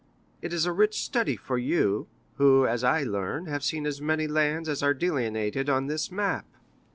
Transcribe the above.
It is a rich study for you, who, as I learn, have seen as many lands as are delineated on this map."